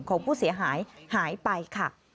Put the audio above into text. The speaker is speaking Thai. ของผู้เสียหายหายไปค่ะ